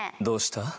どうした？